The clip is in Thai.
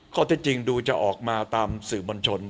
ข้อเท็จจริงดูจะออกมาตามสื่อมวลชน